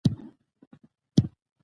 مېوې د افغانانو ژوند اغېزمن کوي.